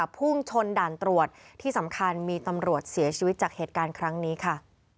พุ่งชนด่านตรวจที่สำคัญมีตำรวจเสียชีวิตจากเหตุการณ์ครั้งนี้ค่ะ